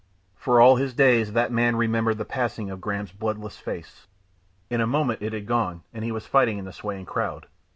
For all his days that man remembered the passing of Graham's bloodless face. In a moment it had gone and he was fighting in the swaying crowd.